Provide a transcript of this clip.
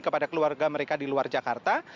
kepada keluarga mereka di luar jakarta